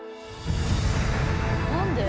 何で？